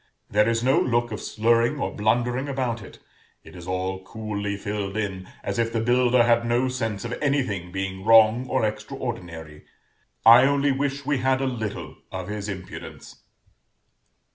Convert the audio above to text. There is no look of slurring or blundering about it; it is all coolly filled in, as if the builder had no sense of anything being wrong or extraordinary: I only wish we had a little of his impudence.